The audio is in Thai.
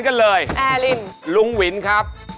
อะไรครับ